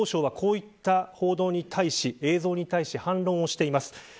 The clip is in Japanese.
ただ、ロシア国防省はこういった報道に対し映像に対し反論をしています。